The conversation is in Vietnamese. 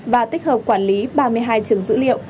và tích hợp quản lý ba mươi hai trường dữ liệu